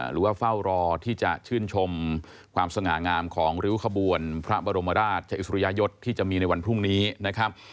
หรือว่าเฝ้ารอที่จะชื่นชมความสง่างามของริ้วขบวนพระบรมราชอิสริยยศที่จะมีในวันพรุ่งนี้นะครับ